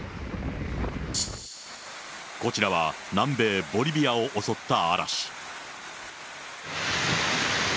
こちらは南米ボリビアを襲った嵐。